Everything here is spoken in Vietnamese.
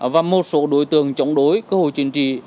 và một số đối tượng chống đối cơ hội chiến trì